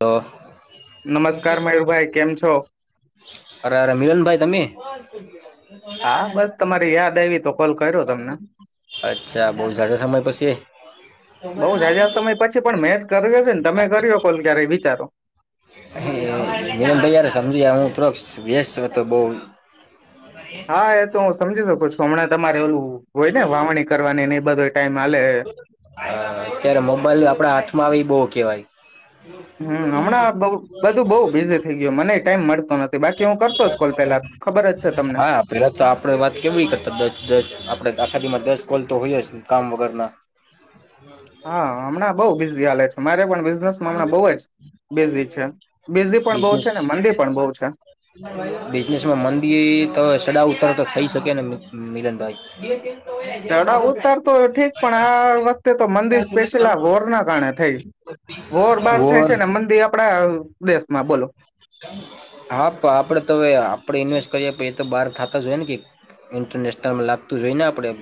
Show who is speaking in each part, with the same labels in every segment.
Speaker 1: તો
Speaker 2: નમસ્કાર મયુરભાઈ, કેમ છો?
Speaker 1: અરે અરે મિલનભાઈ તમે.
Speaker 2: હા બસ તમારી યાદ આવી તો કોલ કર્યો તમને
Speaker 1: અચ્છા બહુ ઝાઝા સમય પછી
Speaker 2: બઉ જાજા સમય પછી પણ મેચ કર્યો છે ને તમે કર્યો કોલ ક્યારેય વિચારો
Speaker 1: [unintelligible] ભાઈાર સમજુ હું તોક્ષ સ્વસ્વ તો બહુ
Speaker 2: હા એ તો હું સમજી શક છું. સોમણાથ મારે એલું હોય ને વાવણી કરવાની ની. બધા
Speaker 1: હ અત્યારે મોબાઈલ આપડા હાથમાં આવી બહુ કેવાય. [inaudible]
Speaker 2: હમ હમણાં બધું બહુ બિઝી થઈ ગયું મને ટાઈમ મળતો નથી બાકી હું કરતો જ કોલ પેલા ખબર જ છે તમને
Speaker 1: હા પેલા તો આપડે વાત કેવીડી કરતા દસ દસ આપડે આખા દસ કોલ તો હોય જ કામ વગર ના.
Speaker 2: હા હમણાં બઉ બીઝ લે તમારે પણ. બિઝનેસમાં હમણાં બહુ જ બિઝી છે બિઝી પણ બહુ
Speaker 1: બિનેસ
Speaker 2: છે ને મંદી પણ બહુ છે
Speaker 1: બિઝનેસ માં મંદી તો સડાઉ. ચડાવ તો થઈ શકે મિલનભાઈ.
Speaker 2: ચડાવ ઉતાર તો ઠીક પણ આ વખતે તો મંદિ સ્પેશિયલ આ વોર ના કારણે થઈ. બહાર થાય
Speaker 1: વોર
Speaker 2: છે ને મંદી આપડા દેશમાં બોલો
Speaker 1: હા આપડે તો હવે આપડી. કરી એ તો બહાર થતા જ હોય ને કે ઇન્ટરનેશનલમાં લાગતું હોય ને આપણેે.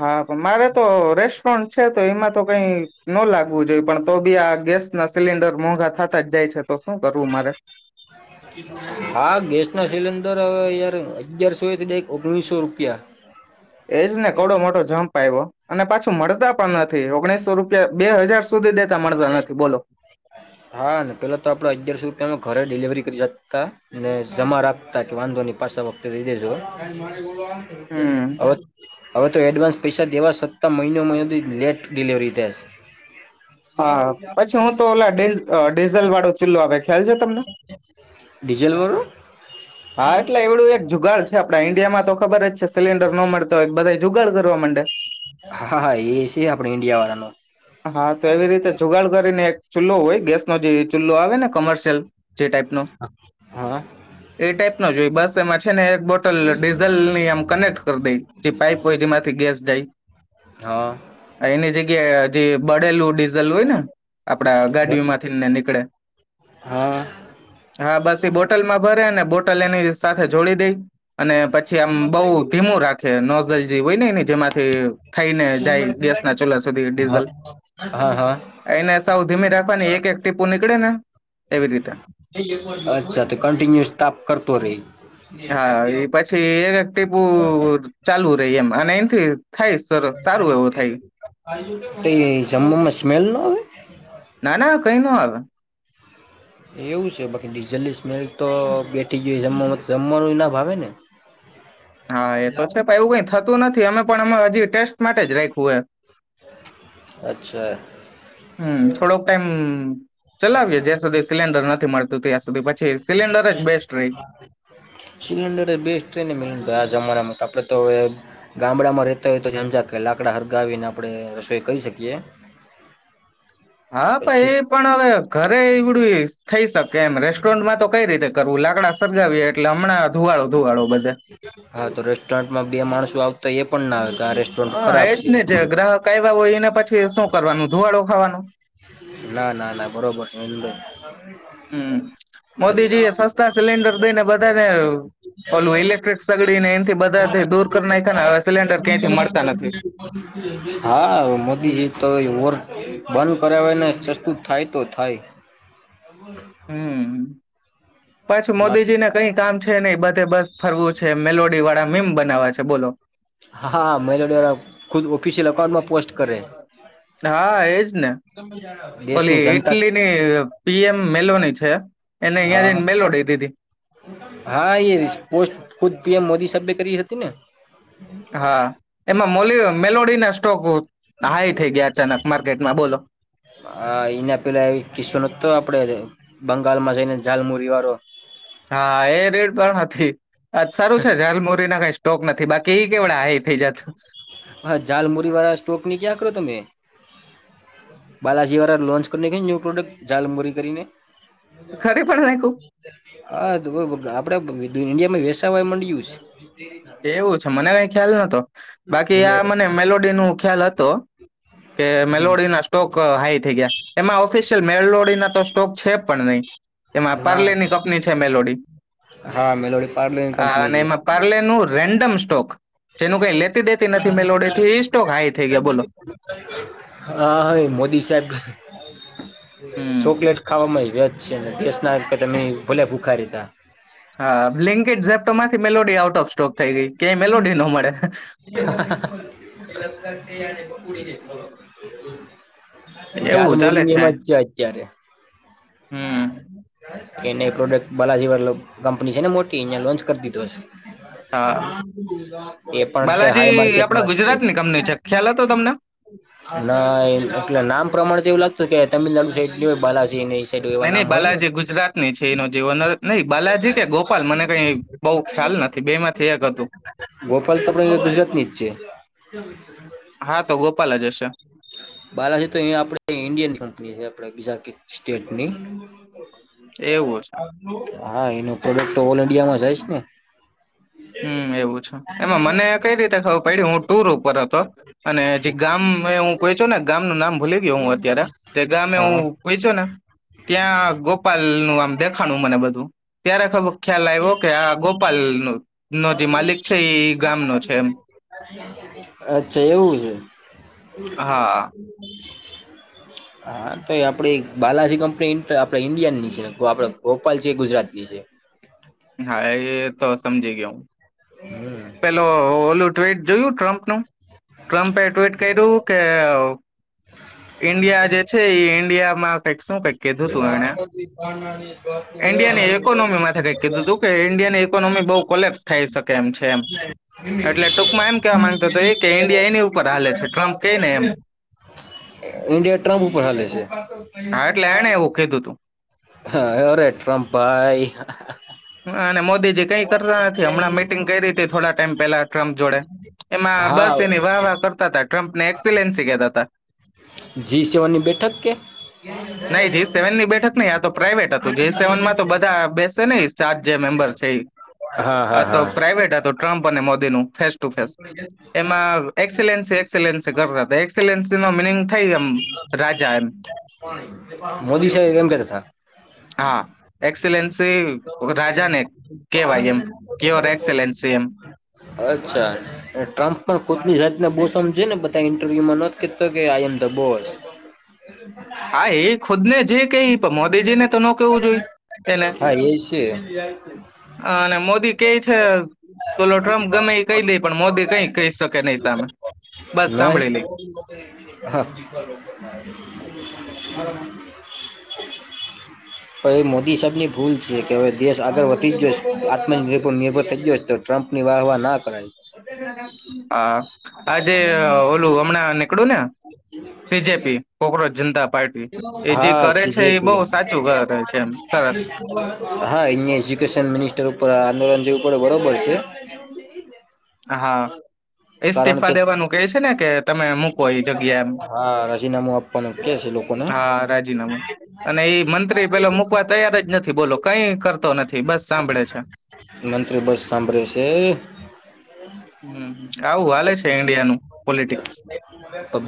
Speaker 2: હા પણ મારે તો રેસ્ટોરન્ટ છે તો એમાં તો કઈ. ન લાગવું જોઈએ પણ તો બી આ ગેસ ના સિલિન્ડર. મોંઘા થતા જ જાય છે. તો શું કરવું મારે
Speaker 1: હા ગેસ ના સિલિન્ડર. યાર અગિયાર સુો તો બેે.
Speaker 2: એજ ને કડો મોટો જમ્પ આવ્યો અને પાછી. મળતા પણ નથી ઓગણીસો રૂપિયા બે હજાર. સુધી દેતા મળતા નથી બોલો
Speaker 1: હા ને પેલા તો આપડ અગિયારસો રૂપિયામાં ઘરે ડિલિવરી. ત્રિજતા ને જમા રાખતા કે વાંધો. પાછવ.
Speaker 2: હમ
Speaker 1: [unintelligible] હવે તો એડવાન્સ. પૈસા દેવા સત્તાં મહિનોમાં લેટ ડિલિવરી દે શે.
Speaker 2: હા પછી હું તો ઓલા ડીઝલ વાળો ચુલ્લો આપે.
Speaker 1: ડીજેલ વારું.
Speaker 2: હા એટલે એવડું એક જુગાડ છે આપડા ઈન્ડિયામાં તો ખબર જ છે. સિલિન્ડર ન મળતા હોય બધા જુગાડ કરવા માંડે.
Speaker 1: હા હા એ છે આપણે ઈન્ડિયા વાળાનો
Speaker 2: હા તો એવી રીતે જુગાડ કરીને એક ચૂલ્લો હોય ગેસ ન જે ચૂલ્લો આવે ને. કમર્શિયલ. જે ટાઈપનો
Speaker 1: હા
Speaker 2: એ ટાઈપનો જોઈ બસ એમાં છે ને એક બોટલ ડીઝલની આમ કનેક્ટ કરી દઈ જે પાઈપ હોય જેમાંથી ગેસ
Speaker 1: હા
Speaker 2: જાય એની જગ્યાએ. જે બળેલું ડી. દીજલ હોય ને આપડા ગાડી
Speaker 1: બર
Speaker 2: માથી નીકદે
Speaker 1: હા
Speaker 2: હા બસ બોતલ મા ભરે ને બોટલ. કલીયાણી એની સાથે જોડી દઈ અને પછી. છે આમ બઉુ ધીમું રાખે નો દલ જે હોય એની જેમાંથી થઈને જાય ગેસ ના ચોલા સુધી
Speaker 1: હા
Speaker 2: ડીઝલ
Speaker 1: હા હા
Speaker 2: એને સાવ ધીમી રાખવાની એક એક ટીપુની એવી રીતે
Speaker 1: અચ્છા તો કંન્ટિન્યુઅસ તાપ કરતો રહી
Speaker 2: હા એ પછી એક ટીપુ ચાલુ રહી એમ અને એથી થાય સારું એવું થાય
Speaker 1: તો એ જમમાં સ્મેલ ન આવે
Speaker 2: ના ના કઈ ન આવે
Speaker 1: એવું છે બાકી ડીઝલની સ્મેલ તો બે જમવા જમવાનું ભાવેને
Speaker 2: હા એ તો છે ભ એવું કઈ થતું નથી અમે પણ અ હજી ટેસ્ટ માટે જ રાખવું હોય
Speaker 1: અચ્છા
Speaker 2: હમ થોડોક ટાઈમ ચલાવીએ જ્યાં સુધી સિલિન્ડર નથી મડતુ તયા સુધી પછી સિલિન્ડર જ બેસ્ટ રહી
Speaker 1: સિલન્ડર બેસ્ટ ટ્રેને મ આજ અમારામાં આપડ તો હ ગામડામાં રેતા હોય તો સમજ લાકડા હરગાવીને આપણે રસોઈ કરી શકીએ
Speaker 2: હા ભાઈ
Speaker 1: પછી
Speaker 2: એ પણ હવે ઘરે વડવી થઈ શકે એમ રેસ્ટોરન્ટમાં તો કઈ રીતે કરવું લાકડા સગાવીએ એટલે હમણાં ધુવાડો ધુવાળો બધે
Speaker 1: હા રેસ્ટોરન્ટમાં બે માણસો તો આવતા એ પણ ના આવે કે આ
Speaker 2: હ
Speaker 1: રેસ્ટોરન્ટ ખરાબ
Speaker 2: એજ
Speaker 1: છે
Speaker 2: ને જે ગ્રાહક આવ્યા હોય એને પછી શું કરવાનું ધુવાડો ખાવાનું
Speaker 1: ના ના ના બરોબર છે એંદર [unintelligible]
Speaker 2: હમ મોદીજી એ સસ્તા સિલિન્ડર દઈને બધાને ઓલું ઇલેક્ટ્રિક સગડીને એથી બધાથી દૂર કરી નાખ્યા ને હવે સિલિન્ડર ક્યાંથી મળતા નથી
Speaker 1: હા મોદી એ વોર બંધ કર્યાવેને સસ્તું થાય તો થાય
Speaker 2: હમ પછી
Speaker 1: બાકી
Speaker 2: મોદીજી ને કઈ કામ છે નહી બ તે બસ ફરવું છે મેલોડી વાળા મેમ બનાવા છે બોલો
Speaker 1: હા મેલોડી વાળા ખુદ ઓફિશિયલ અકાઉન્ટમાં પોસ્ટ કરે
Speaker 2: હા એજ ને ઓલી
Speaker 1: દેશની જનતા
Speaker 2: ઈટલી ની પીએમ મેલોની છે એને ઇયા
Speaker 1: હા
Speaker 2: ની મેલોડઈ દીધી
Speaker 1: હા એ પોસ્ટ ખુદ પીએમ મોદી સાહેેબ કરી કરી હતી ને
Speaker 2: હા એમા મોલી મેલોડી ને ગત [inaudible]
Speaker 1: હ એને પેલા એ કિસ્સો નો તો આપડે બંગાળમાં જઈને ઝાલમુરી વાળો
Speaker 2: હા એ રેડ પણ હતી અ સારું છે ઝાલમુરી ના કઈ સ્ટોક નથી બાકી એ કેવડા હાઈ થઈ જત
Speaker 1: હા જાલમુરી વાળા સ્ટોક નની ક્યાં કરો તમે બાલાજી વાળા લોન્ચ કરીને ન્યૂ પ્રોડક્ટ ઝાલમરી કરીને
Speaker 2: ખરી પણ નાખું
Speaker 1: હા તો બ આપડે ઇન્ડિયામાં વૈેશયા મંડયુ છે તે જ ના
Speaker 2: એવું છે મને કઈ ખ્યાલ નતો બાકી
Speaker 1: છે
Speaker 2: આ મને મેલોડી નું ખ્યાલ હતો કે મેલોડી ના સ્ટોક હાઈ થઈ ગયા એમાં ઓફિશિયલ મેલોડીના તો સ્ટોક છે પણ નહી એમાં
Speaker 1: એટલે ના
Speaker 2: પારલેની કંપની છે મેલોડી
Speaker 1: હા મેલોડી પાર્લરની કંપની
Speaker 2: અને
Speaker 1: છે
Speaker 2: એમાં પરલેનું રેન્ડમ સ્ટોક જેનું કઈ લેતી દેતી નથી મેલોડીથી એ સ્ટોક હાઈ થઈ ગયા બોલો
Speaker 1: હા હાઈ મોદી સાહેબ
Speaker 2: હમ
Speaker 1: ચોકલેટ ખાવામાં આવી છે દેશના ભોલે [inaudible] કારતા
Speaker 2: હા બ્લેન્કેટ તો માથી મેલોડી આઉટ ઓફ સ્ટોક થઈ ગઈ કય મેલોડી ન મળે એવું ચાલે છે
Speaker 1: હા
Speaker 2: હમ
Speaker 1: [inaudible] કે એને એ પ્રોડક્ટ બલાજીવાલો કંપની છે ને મોટી અહીંયા લોન્ચ કરી દીધો હશે
Speaker 2: હા
Speaker 1: એ પણ અત્યારે હાઈ
Speaker 2: બાલાજી આપડા
Speaker 1: માર્કેટમાં છે
Speaker 2: ગુજરાતની કંપની છે ખ્યાલ હતો તમને
Speaker 1: ના એટલે નામ પ્રમાણ તો એવું લાગત ક તમે ે બાલાજી એ
Speaker 2: નઈ નઈ
Speaker 1: નામ હોયને
Speaker 2: બાલાજી ગુજરાતની છે એનો જે ઓનર નહી બાલાજી કે ગોપાલ મને કઈ બઉ ખ્યાલ નથી બે માંથી એક હતું
Speaker 1: ગોપાલ તો ગુજરાતની જ છે
Speaker 2: હા તો ગોપાલ જ હશે
Speaker 1: બાલાજી તો ઇન્ડિયન કંપની. જા કે સ્ટેટ. હો
Speaker 2: એવું છે
Speaker 1: ઓલ ન્ડિયા. જાયશને.
Speaker 2: હમ એવું છે એમાં મને કઈ રીતે ખબર પડી હું ટુર ઉપર હતો અને જે ગામ હું કોઈ છો ને ગામ નું નામ ભૂલી ગય હું અત્યારે જે ગામે હું
Speaker 1: હા
Speaker 2: કોઈ છો ને. ત્યાં ગોપાલ નું આમ દેખાનું મને બધું ત્યારે ખબર ખ્યાલ આવ્યો કે આ ગોપાલ નું. નો જે માલિક છે એ ગામનો છે એમ
Speaker 1: અચ્છા એવું છે. હ
Speaker 2: હા
Speaker 1: [unintelligible] હા તો આપડી બાલાજી કંપ. આપ ઇન્ડિયા ની છે આપ ગોપાલ છે ગુજરાત ની છે.
Speaker 2: હા એ તો સમજી ગયા હું. પેલો ઓલું ટ્િટ જોયું ટ્રમ્પ. શું. ટ્રમ્પે ટ્વીટ કર્યું કે ઈન્ડિયા જે છે એ ઈન્ડિયા. [inaudible] શું કઈ કીધું તું એણે ઈન્ડિયાની ઈકોનોમીમાં કઈ કીધું તું કે ઇન્ડિયાની ઇકોનોમી બઉુ કોલેપ્સ થાય શકે એમ છે એમ. એટલે ટૂંકમાં એમ કેવા માંગતો હતો એ કે ઇન્ડિયા એની ઉપર હાલે છે ટ્રમ્પ કહે ને એમ
Speaker 1: ઇન્ડિયા ટ્રમ્પ ઉપર હાલે છે.
Speaker 2: કધું તું.
Speaker 1: હા એરે ટ્રમપાઈ.
Speaker 2: અને મોદીજી કઈક. નથી હમણાં મિટિંગ કરી હતી થોડા ટાઈમ પહેલા. ટ્રમ્પ જોડે. એમાં
Speaker 1: હા
Speaker 2: બસ એને વાહ વાહ કરતા તા. ટ્રમ્પ ને એક્સલેન્સી કહેતા હતા.
Speaker 1: જી સેવનની બેઠક કે
Speaker 2: નહી જી સેવન ની બેઠક નહી આ તો પ્રાઇવેટ હતું જી સેવનમાં તો બધા બેસે નહીિ. સાત જે મેમ્બર છે
Speaker 1: હા હા
Speaker 2: તો
Speaker 1: હા
Speaker 2: પ્રાઇવેટ હતો ટ્રમ્પ અને મોદી. ન ફે. એમાંલેન્લેન્. એક્સલન્સીમાં મિનિંગ થઈ એમ રાજા એમ.
Speaker 1: મોદી સાહેબ એમ કેતા હતા.
Speaker 2: એક્સલેન્સ. રાજાને કેવા એમ ક્યોર એક્સેલસ એમ.
Speaker 1: અચ્છા ટ્રમ્પ પણ કોટની જાતના બોસજે ને બધા ઇન્ટરવ્યુમાં નતો કે આઈ એમ ધ બોસ.
Speaker 2: હા એ ખુદ ને જે કે મોદીજી ને તો નો કેવું જોઈએ. કે ને
Speaker 1: હા એ છે.
Speaker 2: [inaudible] અ મોદી કે છે. છે. ઓલો ટ્રમ્પ ગમે એ કહી દઈ પણ મોદી કઈ કહી શકે નહી સામે બસ સાંભળી લઈ.
Speaker 1: નહી હા એ મોદી સાહેબ ની ભૂલ છે કે હવે દેશ આગળ વધી જશે આત્મનિર્ભર નિર્ભર થઈ જ ગયો છે. તો ટ્રમ્પ ની વાહ વાહ ના કરાય.
Speaker 2: હા આજે ઓલું હમણાં નીકળું ને સીજેપી કોક્રોચ જનતા પાર્ટી એ જે
Speaker 1: હા
Speaker 2: કરે છે એ બહુ સાચું કરે છે એમ સરસ
Speaker 1: હા અ એજુકેશન મિનિસ્ટર ઉપર આંદોલન જે ઉપર બરોબર છે.
Speaker 2: [inaudible] હા ઇસ્તીફા દેવાનું કે છે ને કે તમે મૂકો ઈ જગ્યા
Speaker 1: હા રાજીનામું આપવાનું કે છે લોકોને
Speaker 2: [inaudible] હા રાજીનામું અને એ મંત્રી પેલો મૂકવા તૈયાર જ નથી બોલો કઈ કરતો નથી બસ સાંભળે છે.
Speaker 1: મંત્રી બસ સાંભળે છે
Speaker 2: હમ્મ આવું હાલે છે ઈન્ડિયાનું પોલિટિક્સ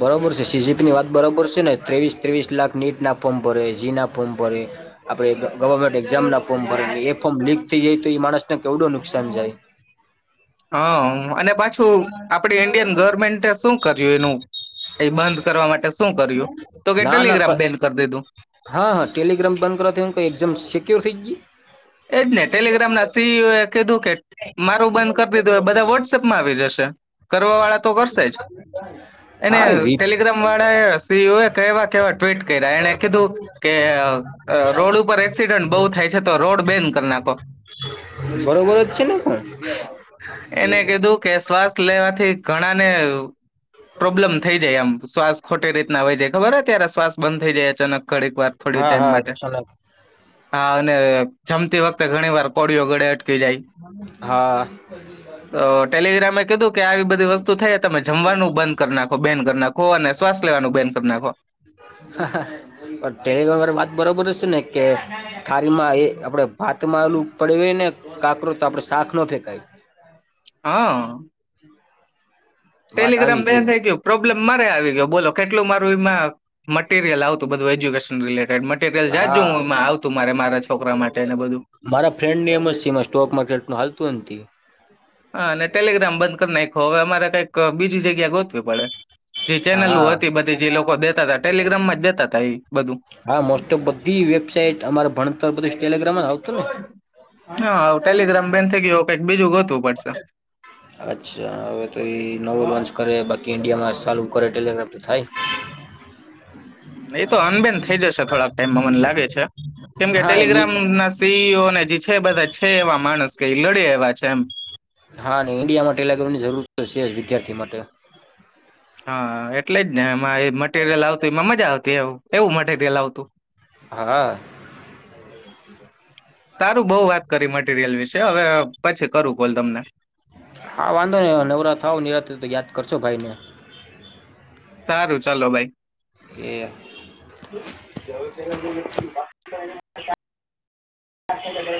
Speaker 1: બરોબર છે સીજીપીની વાત બરોબર છે ને ત્રેવીસ ત્રેવીસ લાખ નીટના ફો ભરે જીના ફોર્મ ભરે આપડે ગવર્મેન્ટ એક્ઝામ ના ફોર્મ ભરે ને એ ફોર્મ લીક થઈ જાય તો એ માણસ કેવડું નુકસાન જાય.
Speaker 2: હ અને પાછું આપડી ઈન્ડિયન ગવર્મેન્ટે શું કર્યું એનું એ બંધ કરવા માટે શું કર્યું તો કે
Speaker 1: ના ના
Speaker 2: ટેલિગ્રામ બેન કરી દીધું
Speaker 1: હા હા ટેલિગ્રામ બંધ કરવા એક્ઝામ સિક્યોર થઈ જાય. [inaudible]
Speaker 2: એજ ને ટેલિગ્રામ ના સીઈઓ એ કીધું કે મારું બંધ કરી દીધું બધા વોટ્સએપમાં આવી જશે કરવા વાળા તો કરશે જ એને
Speaker 1: હા
Speaker 2: ટેલિગ્રામ વાળા સીઓ એ કહેવા કેવા ટ્વીટ કર્યા એને કીધું કે રોડ ઉપર એક્સિડન્ટ બહુ થાય છે તો રોડ બેન કરી નાખો
Speaker 1: બરોબર જ છે ને પણ
Speaker 2: [inaudible] એને કીધું કે શ્વાસ લેવાથી ઘણાને પ્રોબ્લેમ થઈ જાય એમ શ્વાસ ખોટી રીતના હોય જાય ખબર હોય ત્યારે શ્વાસ બંધ થઈ જાય અચાનક ઘડીક વાર થોડી
Speaker 1: હા
Speaker 2: ટાઈમ
Speaker 1: હા
Speaker 2: માટે
Speaker 1: અચાનક
Speaker 2: હા અને જમતી વખતે ઘણી વાર કોડીઓ ગળે અટ
Speaker 1: હા
Speaker 2: અ ટેલિગ્રામે કીધું કે આવી બધી વસ્તુ થઈ તમે જમવાનું બંધ કરી નાખ બેન કરી નાખો અને શ્વાસ લેવાનું બેન કરી નાખો.
Speaker 1: [unintelligible] વાત બરોબર શે ને. કે થાળી માં એ આપણેે ભાતમાં એલું પડવે ને કાકરો હોય તો આપડે શાક ન ફેંકાય.
Speaker 2: હા.
Speaker 1: વાત
Speaker 2: ટેલિગ્રામ
Speaker 1: આવી
Speaker 2: બેન
Speaker 1: છે
Speaker 2: થઇ ગયું પ્રોબ્લેમ મારે આવી ગયો બોલો કેટલું મારું એમાં મટીરયલ આવતું બધું એજ્યુકેશન રિલે
Speaker 1: હા
Speaker 2: મારા છોકરા માટે ને બધું
Speaker 1: મારા ફ્રેન્ડ ને એમ જ છે માં સ્ટોક માર્કેટ નો હાલ [inaudible]
Speaker 2: હા અને ટેલિગ્રામ બંધ કરી નાખો હવે અમારે બીજી જગ્યા ગોતવી પડે જે
Speaker 1: હા
Speaker 2: ચેનલો
Speaker 1: હા
Speaker 2: હતી બધી જે લોકો દેતા હતા ટેલિગ્રામમાં જ દેતા હતા એ બધું
Speaker 1: હા મોસ્ટ ઓફ બધી વેબસાઇટ અમારે ભણતર બધી સ્ટેલી
Speaker 2: હા ટેલિગ્રામ બેન થઈ ગયો
Speaker 1: [unintelligible]
Speaker 2: કઈક બીજું ગોત
Speaker 1: અચ્છા હવે તો ઈ [unintelligible] કરેએ બાક કે ઇન્ડિયામાં સાલું કરે ટેલિગ્રાફ તો થાય. [inaudible]
Speaker 2: એતો તો અન બેેન થઈ જશે થોડાક ટાઈમમાં મને લાગે છે કેમ કે
Speaker 1: હા એની
Speaker 2: ટેલિગ્રામ ના સીઈઓને જે છે બધા છે એવા માણસ કે લડે વા છે એમ
Speaker 1: હા ઇન્ડિયામાં ટેલિકોમની જરૂર તો છે જ વિદ્યાર્થી માટે
Speaker 2: હા એટલે જ ને એમ માં એ મટેરિયલ આવતુંમાં મજા આવતી એવું મટીરિયલ આવતું
Speaker 1: હા
Speaker 2: સારું બઉ વાત કરી મટીરિયલ વિશે હવે પછી કરું કોલ તમને.
Speaker 1: હા વાંધો નહી નવરા થાવ નિરાંતે તો યાદ કરશો ભાઈને
Speaker 2: સારું ચાલો ભાઈ
Speaker 1: [inaudible]